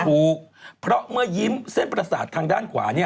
ถูกเพราะเมื่อยิ้มเส้นประสาททางด้านขวา